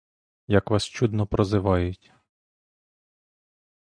Як вас чудно прозивають.